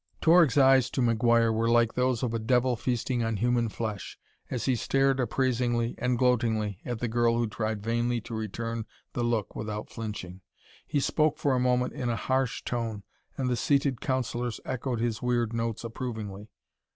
Torg's eyes to McGuire were those of a devil feasting on human flesh, as he stared appraisingly and gloatingly at the girl who tried vainly to return the look without flinching. He spoke for a moment in a harsh tone, and the seated councilors echoed his weird notes approvingly.